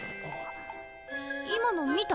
今の見た？